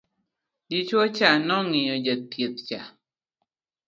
dichuo cha nong'iyo jachieth cha